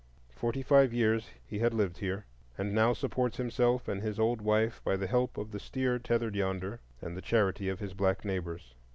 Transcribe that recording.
Forty five years he had lived here, and now supports himself and his old wife by the help of the steer tethered yonder and the charity of his black neighbors.